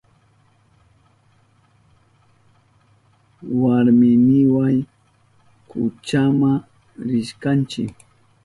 Warminiwa kuchama rishkanchi.